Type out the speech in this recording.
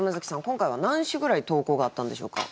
今回は何首ぐらい投稿があったんでしょうか？